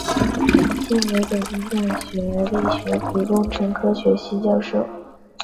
现为北京大学力学与工程科学系教授。